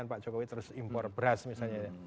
pak jokowi terus impor beras misalnya ya